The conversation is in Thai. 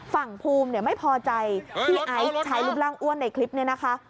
ภูมิไม่พอใจที่ไอซ์ใช้รูปร่างอ้วนในคลิปนี้นะคะ